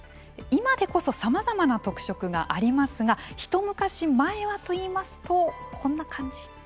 今でこそさまざまな特色がありますが一昔前はといいますとこんな感じ。